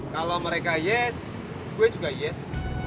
kalau mereka yes gue juga yes